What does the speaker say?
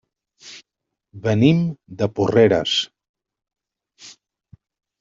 Venim de Porreres.